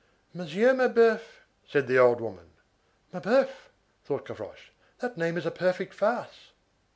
"Monsieur Mabeuf!" said the old woman. "Mabeuf!" thought Gavroche, "that name is a perfect farce."